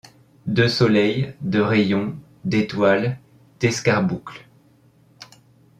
De soleils, de rayons, d’étoiles, d’escarboucles